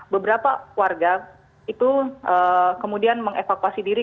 beberapa warga itu kemudian mengevakuasi diri